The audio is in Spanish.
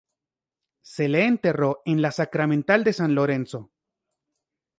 Se le enterró en la sacramental de San Lorenzo.